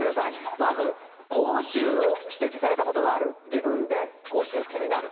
まず口臭を指摘されたことがある、自分で口臭気になる。